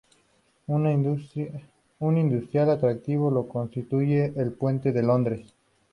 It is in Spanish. Un inusual atractivo lo constituye el Puente de Londres.